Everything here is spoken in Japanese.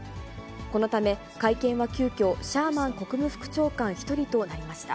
このため、会見は急きょ、シャーマン国務副長官１人となりました。